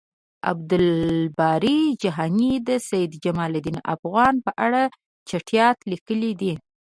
عبد الباری جهانی د سید جمالدین افغان په اړه چټیات لیکلی دی